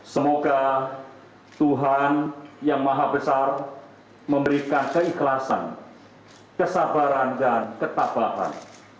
semoga tuhan yang maha besar memberikan keikhlasan kesabaran dan ketabahan